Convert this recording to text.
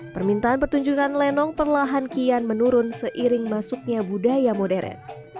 permintaan pertunjukan lenong perlahan kian menurun seiring masuknya budaya modern